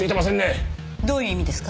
どういう意味ですか？